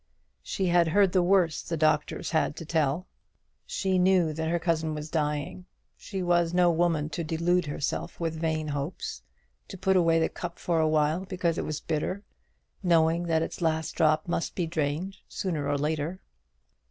She had heard the worst the doctors had to tell. She knew that her cousin was dying. She was no woman to delude herself with vain hopes, to put away the cup for awhile because it was bitter, knowing that its last drop must be drained sooner or later.